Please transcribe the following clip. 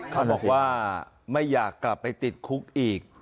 เขาบอกว่าไม่อยากกลับไปติดคุกอีก